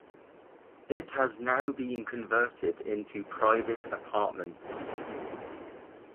It has now been converted into private apartments.